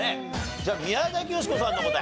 じゃあ宮崎美子さんの答え。